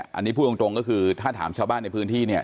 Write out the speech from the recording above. อันนี้พูดตรงก็คือถ้าถามชาวบ้านในพื้นที่เนี่ย